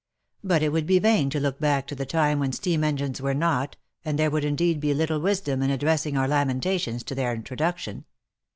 But it would be vain to look back to the time when steam engines were not, and there would indeed be little wisdom in addressing our lamentations to their introduction.